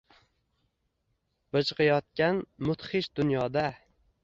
Bijgʼiyotgan mudhish dunyoda